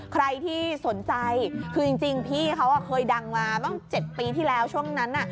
ใครที่สนใจคือจริงพี่เขาเคยดังมาตั้ง๗ปีที่แล้วช่วงนั้น